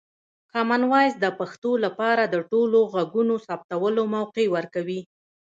کامن وایس د پښتو لپاره د ټولو غږونو ثبتولو موقع ورکوي.